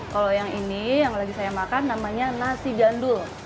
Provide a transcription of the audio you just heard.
kalau yang ini yang lagi saya makan namanya nasi gandul